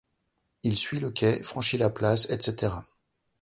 Il suit le quai, franchit la place, et cætera